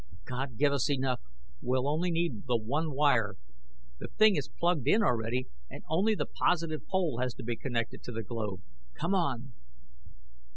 "God give us enough! We'll only need the one wire. The thing is plugged in already and only the positive pole has to be connected to the globe. Come on!"